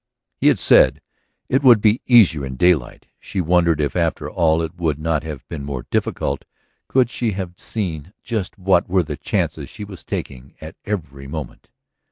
He had said it would be easier in daylight; she wondered if after all it would not have been more difficult could she have seen just what were the chances she was taking at every moment.